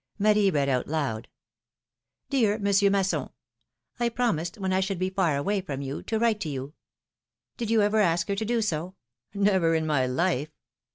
'^ Marie read out loud : ^'Dear Monsieur Masson: I promised, when I should be far away from you, to write to you — Did you ever ask her to do so ? Never in all my life.